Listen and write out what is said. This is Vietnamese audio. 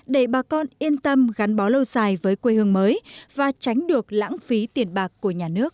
để bà con yên tâm gắn bó lâu dài với quê hương mới và tránh được lãng phí tiền bạc của nhà nước